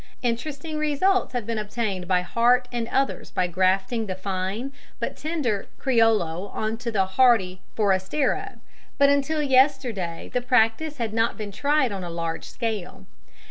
Interesting results have been obtained by Hart and others by grafting the fine but tender criollo on to the hardy forastero, but until yesterday the practice had not been tried on a large scale.